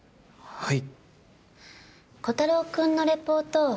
はい。